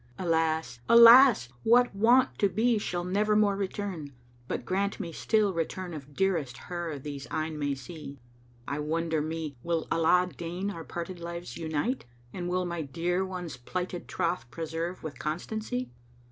Alas! Alas! what wont to be shall never more return * But grant me still return of dearest her these eyne may see. I wonder me will Allah deign our parted lives unite * And will my dear one's plighted troth preserve with constancy!